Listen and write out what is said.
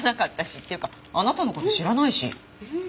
っていうかあなたの事知らないし。